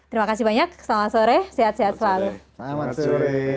terima kasih banyak selamat sore sehat sehat selalu